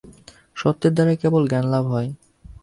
সত্ত্বের দ্বারাই কেবল জ্ঞানলাভ হয়।